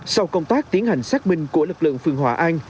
sau công tác tiến hành xác minh của lực lượng phương hòa an